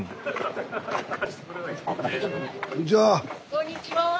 こんにちは。